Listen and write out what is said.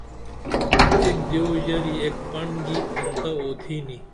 ایک دیو ژری ایک پنڑن گی پھنتہ اوتھینی